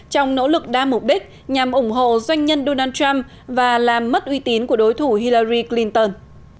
trong nỗ lực đa mục đích nhằm ủng hộ doanh nhân donald trump và làm mất uy tín của đối thủ hilery clinton